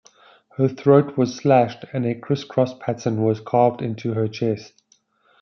Her throat was slashed and a criss-cross pattern was carved into her chest.